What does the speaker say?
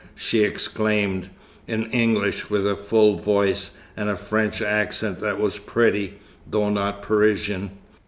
she exclaimed, in English, with a full voice, and a French accent that was pretty, though not Parisian.